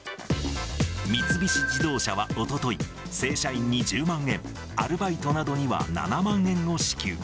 三菱自動車はおととい、正社員に１０万円、アルバイトなどには７万円を支給。